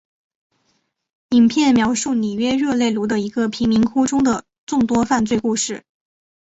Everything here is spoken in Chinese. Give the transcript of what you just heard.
影片描述里约热内卢的一个贫民窟中的众多犯罪故事。